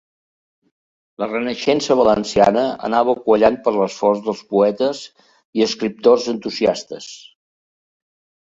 La Renaixença valenciana anava quallant per l'esforç dels poetes i escriptors entusiastes.